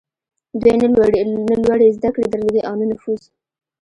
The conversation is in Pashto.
دوی نه لوړې زدهکړې درلودې او نه نفوذ.